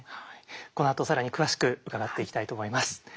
このあと更に詳しく伺っていきたいと思います。